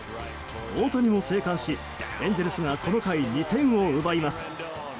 大谷も生還し、エンゼルスがこの回２点を奪います。